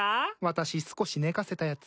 私少し寝かせたやつ。